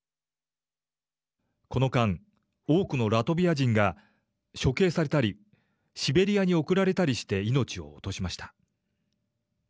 この間、多くのラトビア人が処刑されたり、シベリアに送られたりして命を落としました。